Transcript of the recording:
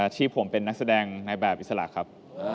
ที่ผมเป็นนักแสดงในแบบอิสระครับ